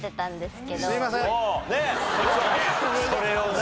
それをな。